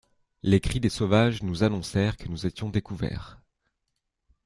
Les cris des sauvages nous annoncèrent que nous étions découverts.